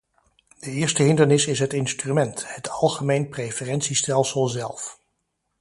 De eerste hindernis is het instrument, het algemeen preferentiestelsel zelf.